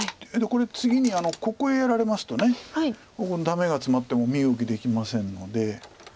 これ次にここへやられますとここにダメがツマってもう身動きできませんので。